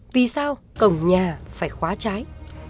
vì sao cổng nhà phải khóa cháy